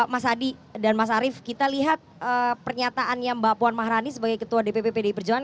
mas adi dan mas arief kita lihat pernyataannya mbak puan maharani sebagai ketua dpp pdi perjuangan